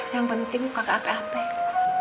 yang penting bukan kakak ape ape